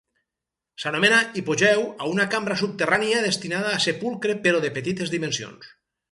S'anomena hipogeu a una cambra subterrània destinada a sepulcre però de petites dimensions.